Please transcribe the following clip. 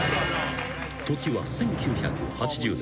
［時は１９８０年。